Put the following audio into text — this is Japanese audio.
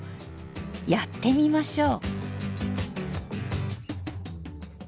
やってみましょう。